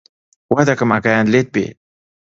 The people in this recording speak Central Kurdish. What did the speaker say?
وا دەکەم ئاگایان لێت بێ